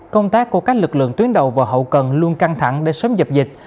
công tác của các lực lượng tuyến đầu và hậu cần luôn căng thẳng để sớm dập dịch